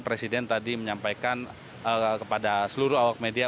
presiden tadi menyampaikan kepada seluruh awak media